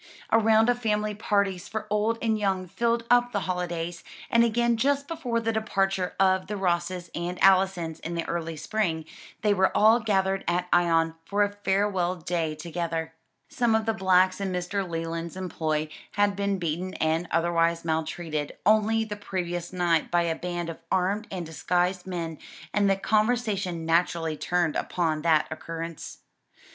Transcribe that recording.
A round of family parties for old and young filled up the holidays; and again just before the departure of the Rosses and Allisons in the early spring, they were all gathered at Ion for a farewell day together. Some of the blacks in Mr. Leland's employ had been beaten and otherwise maltreated only the previous night by a band of armed and disguised men, and the conversation naturally turned upon that occurrence.